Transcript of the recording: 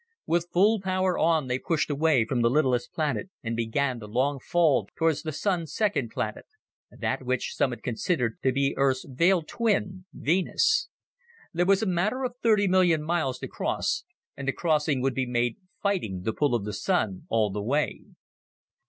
With full power on, they pushed away from the littlest planet and began the long fall toward the Sun's second planet, that which some had considered to be Earth's veiled twin, Venus. There was a matter of thirty million miles to cross, and the crossing would be made fighting the pull of the Sun all the way.